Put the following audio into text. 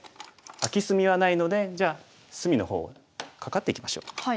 空き隅はないのでじゃあ隅の方をカカっていきましょう。